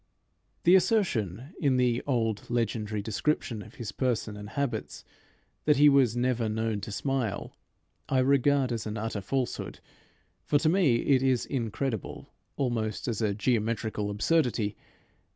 The assertion in the old legendary description of his person and habits, that he was never known to smile, I regard as an utter falsehood, for to me it is incredible almost as a geometrical absurdity.